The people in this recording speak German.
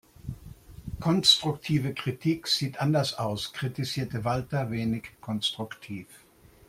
Konstruktive Kritik sieht anders aus, kritisierte Walter wenig konstruktiv.